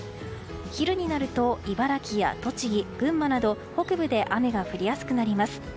昼になると茨城や栃木、群馬など北部で雨が降りやすくなります。